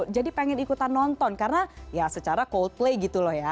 jadi pengen ikutan nonton karena ya secara coldplay gitu loh ya